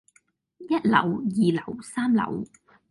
一樓，二樓，三樓